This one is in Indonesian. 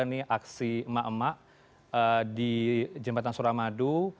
ini aksi emak emak di jembatan suramadu